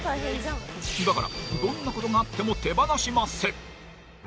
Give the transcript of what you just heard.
だから、どんなことがあっても手放しません。